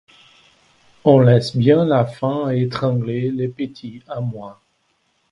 On laisse bien la faim étrangler mes petits, à moi!